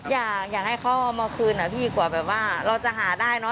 อยากให้เขาเอามาคืนอะพี่กว่าแบบว่าเราจะหาได้เนอ